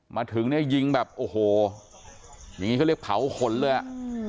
มาถึงเนี่ยยิงแบบโอ้โหอย่างนี้เขาเรียกเผาขนเลยอ่ะ